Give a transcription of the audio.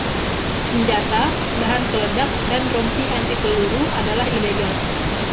Senjata, bahan peledak, dan rompi anti peluru adalah ilegal.